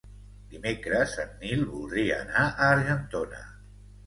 Dimecres en Nil voldria anar a Argentona.